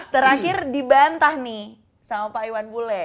terakhir dibantah nih sama pak iwan bule